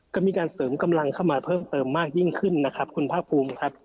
ก็มีการเสริมกำลังเข้ามาเพิ่มเติมมากยิ่งขึ้นนะครับคุณภาคภูมิครับ